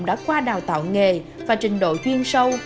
đã qua đào tạo nghề và trình độ chuyên sâu